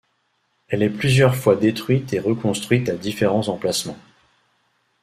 Elle est plusieurs fois détruite et reconstruite à différents emplacements.